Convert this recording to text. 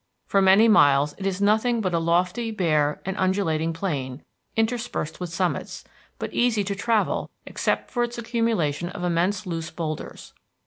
For many miles it is nothing but a lofty, bare, undulating plain, interspersed with summits, but easy to travel except for its accumulation of immense loose boulders.